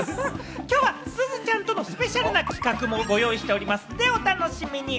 すずちゃんとのスペシャル企画もご用意しておりますので、お楽しみに。